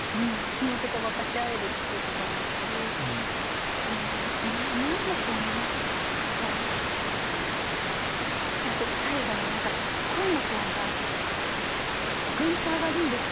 気持ちが分かち合えるっていうこともあったり何でしょうねこう最後は何か声のトーンがこうグンと上がるんですよ。